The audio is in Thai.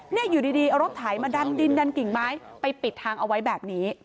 อยู่ดีเอารถไถมาดันดินดันกิ่งไม้ไปปิดทางเอาไว้แบบนี้